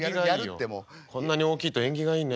こんなに大きいと縁起がいいね。